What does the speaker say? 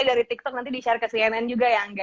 dari tiktok nanti di share ke cnn juga ya angga